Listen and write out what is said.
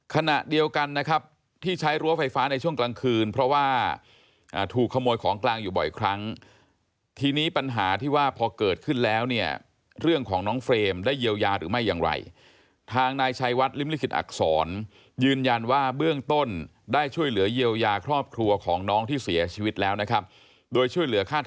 ขณะเดียวกันนะครับที่ใช้รั้วไฟฟ้าในช่วงกลางคืนเพราะว่าถูกขโมยของกลางอยู่บ่อยครั้งทีนี้ปัญหาที่ว่าพอเกิดขึ้นแล้วเนี่ยเรื่องของน้องเฟรมได้เยียวยาหรือไม่อย่างไรทางนายชัยวัดริมลิขิตอักษรยืนยันว่าเบื้องต้นได้ช่วยเหลือเยียวยาครอบครัวของน้องที่เสียชีวิตแล้วนะครับโดยช่วยเหลือค่า